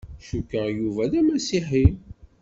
Cukkeɣ Yuba d Amasiḥi.